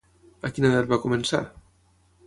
A quina edat va començar?